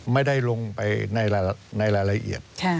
ไม่ได้ลงไปในรายละเอียด